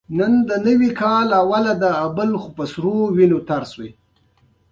سټیو و د نړۍ په لیګونو کښي لوبېدلی.